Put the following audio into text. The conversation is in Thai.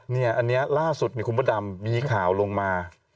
นี่อันนี้ล่าสุดคุณพระดำมีข่าวลงมา